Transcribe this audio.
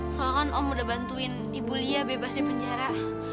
soalnya kan om udah bantuin ibu lia bebas di penjara